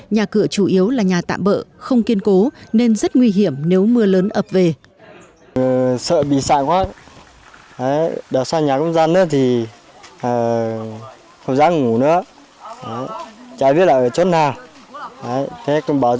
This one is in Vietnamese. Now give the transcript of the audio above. nhà cửa chủ yếu là nhà tạm bỡ không kiên cố nên rất nguy hiểm nếu mưa lớn ập về